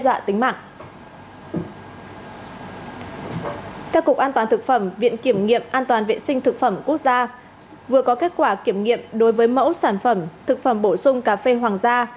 vừa có kết quả kiểm nghiệm đối với mẫu sản phẩm thực phẩm bổ sung cà phê hoàng gia